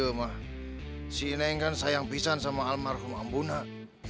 suka dia mah si neng kan sayang pisah sama almarhum ambunah